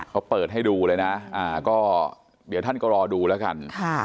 เขาเปิดให้ดูเลยนะก็เดี๋ยวท่านก็รอดูแล้วกัน